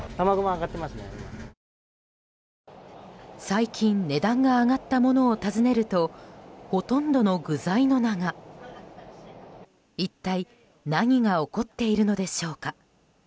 最近、値段が上がったものを尋ねるとほとんどの具材の名が。一体、何が起こっているのでしょうか。